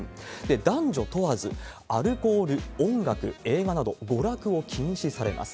男女問わずアルコール、音楽、映画など娯楽を禁止されます。